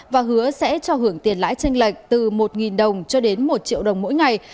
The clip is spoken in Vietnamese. và hứa sẽ cho hưởng tiền lãi tranh lệch từ một đồng cho đến một triệu đồng mỗi ngày